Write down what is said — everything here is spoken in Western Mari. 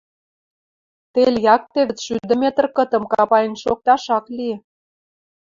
тел якте вӹцшӱдӹ метр кытым капаен шокташ ак ли.